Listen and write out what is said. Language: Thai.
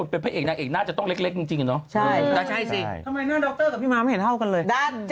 แต่งไหมหน้าเหมือนหน้าเท่ากันเลย